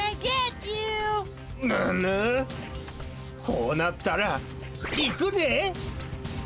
こうなったらいくで！